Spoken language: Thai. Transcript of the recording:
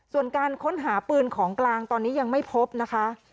ส่วนการค้นหาปืนของกลางตอนนี้ยังไม่พบนะคะ